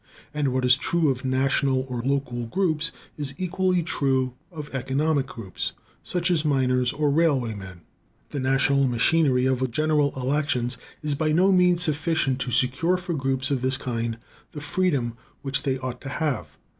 And what is true of national or local groups is equally true of economic groups, such as miners or railway men. The national machinery of general elections is by no means sufficient to secure for groups of this kind the freedom which they ought to have.